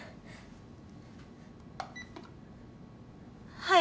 はい。